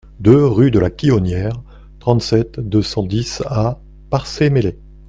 deux rue de la Quillonnière, trente-sept, deux cent dix à Parçay-Meslay